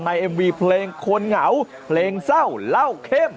เอ็มวีเพลงคนเหงาเพลงเศร้าเล่าเข้ม